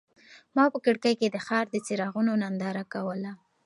ما په کړکۍ کې د ښار د څراغونو ننداره کوله.